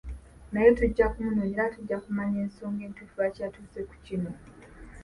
Naye tujja kumunoonya era tujja kumanya ensonga entuufu lwaki yatuuse ku kino.